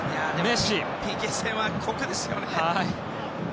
ＰＫ戦は酷ですよね。